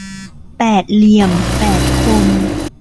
แปดเหลี่ยมแปดคม